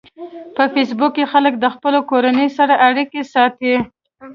په فېسبوک کې خلک د خپلو کورنیو سره اړیکه ساتي